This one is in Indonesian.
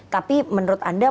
tapi menurut anda